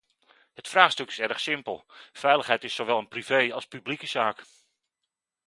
Het vraagstuk is erg simpel: veiligheid is zowel een privé- als publieke zaak.